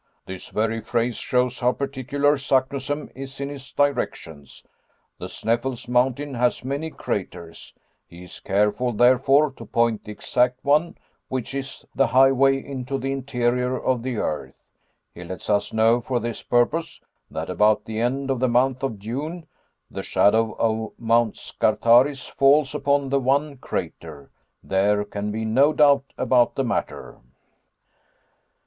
This very phrase shows how particular Saknussemm is in his directions. The Sneffels mountain has many craters. He is careful therefore to point the exact one which is the highway into the Interior of the Earth. He lets us know, for this purpose, that about the end of the month of June, the shadow of Mount Scartaris falls upon the one crater. There can be no doubt about the matter."